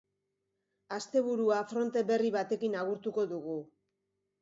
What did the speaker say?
Asteburua fronte berri batekin agurtuko dugu.